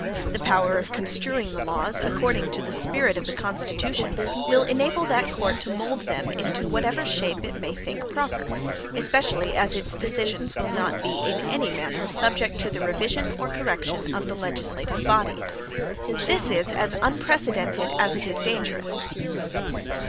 The power of construing the laws according to the spirit of the Constitution, will enable that court to mould them into whatever shape it may think proper; especially as its decisions will not be in any manner subject to the revision or correction of the legislative body. This is as unprecedented as it is dangerous.